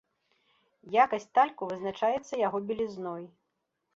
Якасць тальку вызначаецца яго белізной.